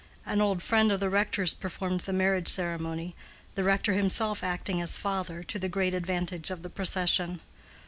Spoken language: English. An old friend of the rector's performed the marriage ceremony, the rector himself acting as father, to the great advantage of the procession.